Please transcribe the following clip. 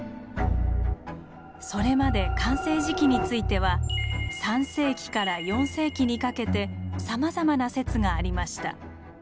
それまで完成時期については３世紀から４世紀にかけてさまざまな説がありました。